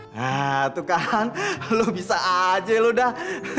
nah tuh kan lo bisa aja lo dah